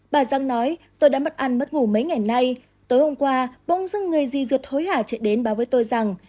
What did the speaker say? bà giang nói tôi đã mất ăn mất ngủ mấy ngày nay tối hôm qua bông dưng người di dượt hối hả chạy đến báo với tôi rằng